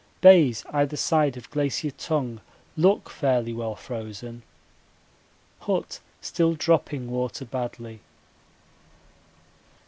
Bays either side of Glacier Tongue look fairly well frozen. Hut still dropping water badly.